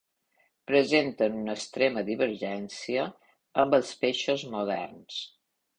Presenten una extrema divergència amb els peixos moderns.